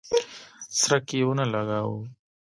څرک یې ونه لګاوه.